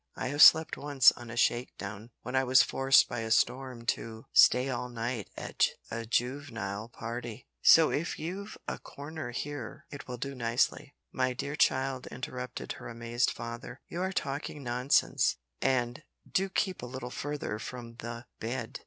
I have slept once on a shake down, when I was forced by a storm to stay all night at a juv'nile party. So if you've a corner here, it will do nicely " "My dear child," interrupted her amazed father, "you are talking nonsense. And do keep a little further from the bed.